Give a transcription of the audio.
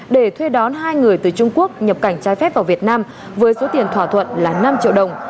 để thuê đón hai người từ trung quốc nhập cảnh trái phép vào việt nam với số tiền thỏa thuận là năm triệu đồng